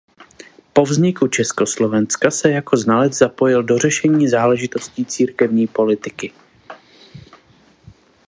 Po vzniku Československa se jako znalec zapojil do řešení záležitostí církevní politiky.